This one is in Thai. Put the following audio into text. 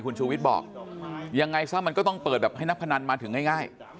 คุณชูวิทย์บอกยังไงซะมันก็ต้องเปิดแบบให้นักพนันมาถึงง่าย